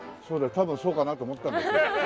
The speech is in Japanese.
多分そうかなと思ったんですけど大体。